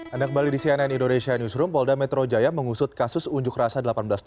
anda kembali di cnn indonesia newsroom polda metro jaya mengusut kasus unjuk rasa seribu delapan ratus dua puluh